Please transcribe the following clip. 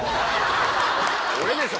俺でしょ